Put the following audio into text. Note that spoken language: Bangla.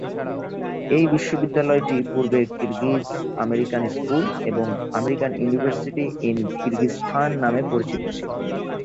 এই বিশ্ববিদ্যালয়টি পূর্বে কিরগিজ-আমেরিকান স্কুল এবং আমেরিকান ইউনিভার্সিটি ইন কিরগিজস্তান নামে পরিচিত ছিল।